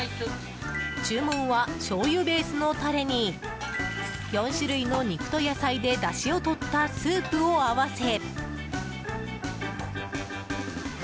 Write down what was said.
注文はしょうゆべースのタレに４種類の肉と野菜でだしをとったスープを合わせ。